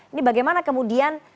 ini bagaimana kemudian